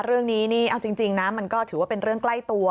เรื่องนี้นี่เอาจริงนะมันก็ถือว่าเป็นเรื่องใกล้ตัว